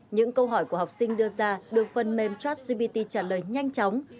những câu hỏi của học sinh đưa ra được phần mềm chasgpt trả lời nhanh chóng